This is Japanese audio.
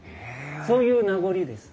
そういう名残です。